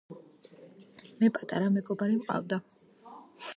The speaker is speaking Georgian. მე პატარა მეგობარი მყავდა.